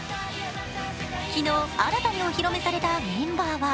昨日、新たにお披露目されたメンバーは